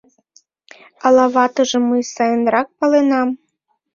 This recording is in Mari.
— Ала ватыжым мый сайынрак паленам?